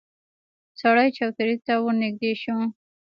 سړی چوترې ته ورنږدې شو.